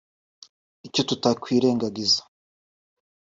“Icyo tutakwirengagiza